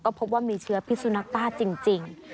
พบว่ามีเชื้อพิสุนักบ้าจริง